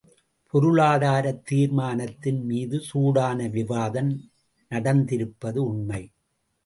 பொருளாதாரத் தீர்மானத்தின் மீது சூடான விவாதம் நடந்திருப்பது உண்மை.